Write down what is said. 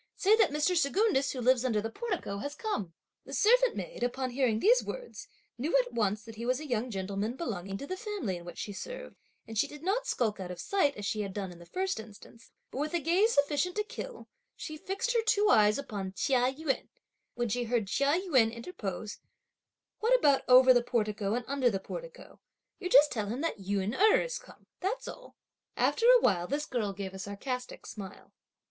Say that Mr. Secundus, who lives under the portico, has come!" The servant maid, upon hearing these words, knew at once that he was a young gentleman belonging to the family in which she served, and she did not skulk out of sight, as she had done in the first instance; but with a gaze sufficient to kill, she fixed her two eyes upon Chia Yün, when she heard Chia Yün interpose: "What about over the portico and under the portico; you just tell him that Yün Erh is come, that's all." After a while this girl gave a sarcastic smile.